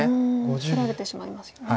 切られてしまいますよね。